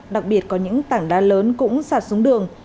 đặc biệt có những tảng đá lớn cũng sạt xuống đường